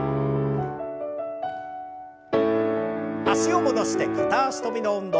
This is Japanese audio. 脚を戻して片脚跳びの運動。